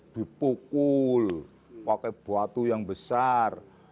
dipukul pakai batu yang besar